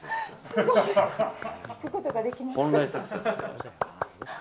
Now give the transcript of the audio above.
すごい。聞くことができました。